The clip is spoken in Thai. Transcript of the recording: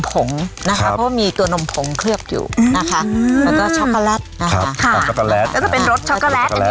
เพราะว่ามีตัวนมผงเคลือบอยู่นะคะแล้วก็ช็อกโกแลตแล้วก็เป็นรสช็อกโกแลต